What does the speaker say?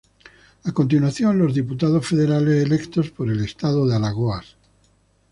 A continuación los diputados federales electos por el Estado de Alagoas.